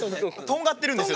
とんがってるんですよ。